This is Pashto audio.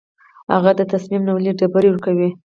هغه د تصمیم نیولو ډبرې ورکوي.